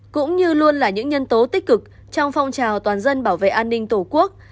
cũng như luôn là những nhân tố tích cực trong phong trào toàn dân bảo vệ an ninh tổ quốc